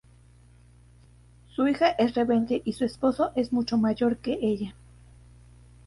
Su hija es rebelde y su esposo es mucho mayor que ella.